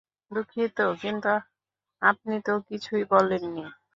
দুঃখিত, কিন্তু আপনি তো কিছু বলেননি।